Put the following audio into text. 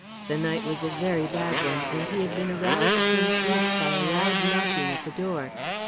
The night was a very bad one, and he had been aroused from sleep by a loud knocking at the door.